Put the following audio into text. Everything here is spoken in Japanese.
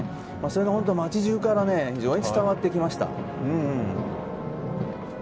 それが本当に町じゅうから非常に伝わってきました。